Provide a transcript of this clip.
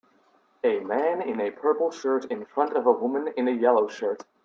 A man in a purple shirt in front of a woman in a yellow shirt.